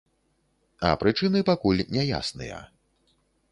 А прычыны пакуль няясныя.